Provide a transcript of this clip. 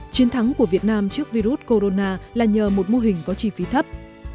chiến thắng của việt nam trước virus corona là nhờ một mô hình có chi phí thấp